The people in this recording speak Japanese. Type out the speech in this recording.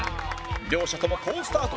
両者とも好スタート